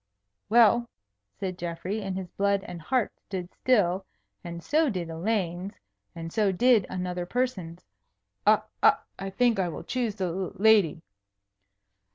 "Well," said Geoffrey, and his blood and heart stood still (and so did Elaine's, and so did another person's), "I I think I will choose the l lady."